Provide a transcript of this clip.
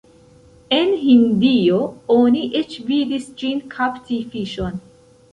En Hindio oni eĉ vidis ĝin kapti fiŝon.